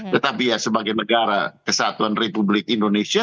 tetapi ya sebagai negara kesatuan republik indonesia